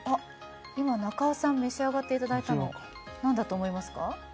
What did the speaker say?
今中尾さん召し上がっていただいたの何だと思いますか？